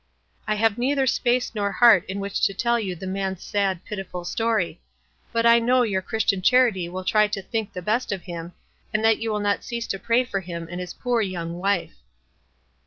I have neither space nor heart in which to tell you the man's sad, pitiful story ; but I know 3 T our Christian charity will try to think the best of him, and that you will not cease to pray for him and his poor young wife.